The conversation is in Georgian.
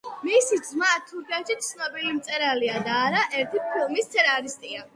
მისი ძმა თურქეთში ცნობილი მწერალია და არა ერთი ფილმის სცენარისტია.